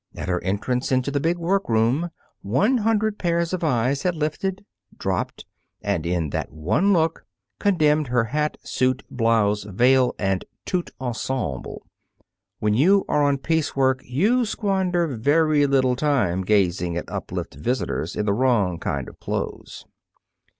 At her entrance into the big workroom, one hundred pairs of eyes had lifted, dropped, and, in that one look, condemned her hat, suit, blouse, veil and tout ensemble. When you are on piece work you squander very little time gazing at uplift visitors in the wrong kind of clothes.